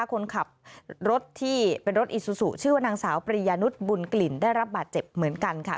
คนขับรถที่เป็นรถอีซูซูชื่อว่านางสาวปริยานุษย์บุญกลิ่นได้รับบาดเจ็บเหมือนกันค่ะ